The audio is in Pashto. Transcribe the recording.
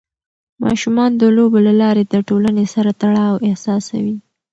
ماشومان د لوبو له لارې د ټولنې سره تړاو احساسوي.